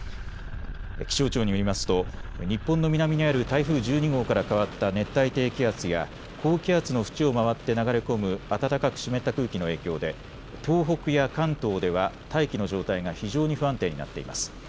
気象庁によりますと日本の南にある台風１２号から変わった熱帯低気圧や高気圧の縁を回って流れ込む暖かく湿った空気の影響で東北や関東では大気の状態が非常に不安定になっています。